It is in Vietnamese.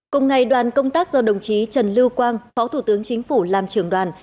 cùng ngày đoàn công tác do đồng chí trần lưu quang phó thủ tướng chính phủ làm trưởng đoàn